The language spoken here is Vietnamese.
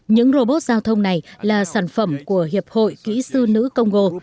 những robot giao thông này là sản phẩm của hiệp hội kỹ sư nữ công ngô